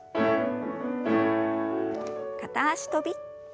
片脚跳び。